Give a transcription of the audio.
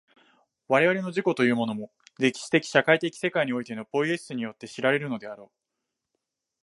我々の自己というものも、歴史的社会的世界においてのポイエシスによって知られるのであろう。